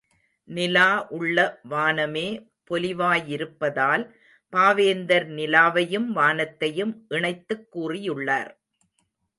நிலா உள்ள வானமே பொலிவாயிருப்பதால், பாவேந்தர் நிலாவையும் வானத்தையும் இணைத்துக் கூறியுள்ளார்.